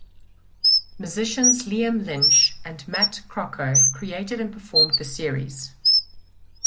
Musicians Liam Lynch and Matt Crocco created and performed the series.